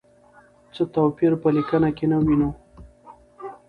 څه توپیر په لیکنه کې نه وینو؟